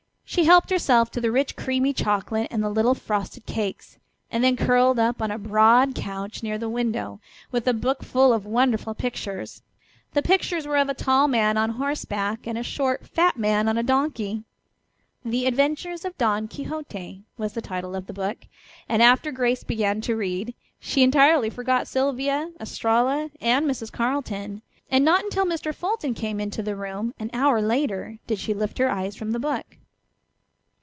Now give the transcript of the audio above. She helped herself to the rich creamy chocolate and the little frosted cakes, and then curled up on a broad couch near the window with a book full of wonderful pictures. The pictures were of a tall man on horseback, and a short, fat man on a donkey. "The Adventures of Don Quixote," was the title of the book, and after Grace began to read she entirely forgot Sylvia, Estralla, and Mrs. Carleton. And not until Mr. Fulton came into the room an hour later did she lift her eyes from the book.